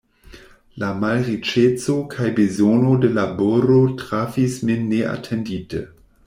La malriĉeco kaj bezono de laboro trafis min neatendite.